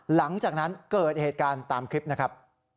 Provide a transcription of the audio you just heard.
หลังจากนั้นเกิดเหตุการณ์ตามคลิปนะครับ